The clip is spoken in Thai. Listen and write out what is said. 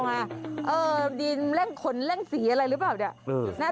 แกล้งขนแล้งสีอะไรหรือเปล่า